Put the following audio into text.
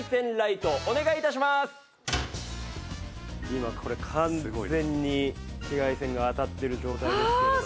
今これ完全に紫外線が当たってる状態ですけれども。